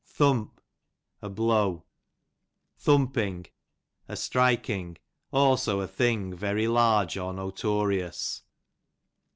Thump, a blow. Thumping, a strikifig ; also a thing very large or notorious.